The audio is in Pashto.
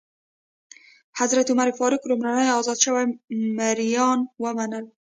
حضرت عمر فاروق لومړی ازاد شوي مریان ومنل.